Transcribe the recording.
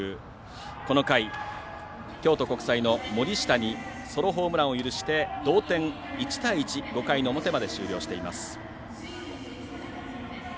この回、京都国際の森下にソロホームランを許して同点、１対１５回の表まで終了しています。